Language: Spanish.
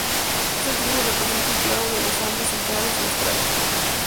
Esta tribu representa un clado de los Andes centrales y australes.